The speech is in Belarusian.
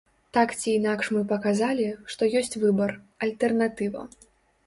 Так ці інакш мы паказалі, што ёсць выбар, альтэрнатыва.